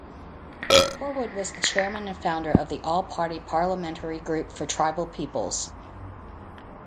Horwood was the chairman and founder of the All-Party Parliamentary Group for Tribal Peoples.